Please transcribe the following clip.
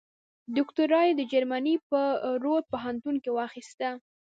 دوکتورا یې د جرمني په رور پوهنتون کې واخیسته.